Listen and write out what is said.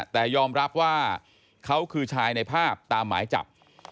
แต่ยอมรับว่าเขาคือชายในภาพตามหมายจับ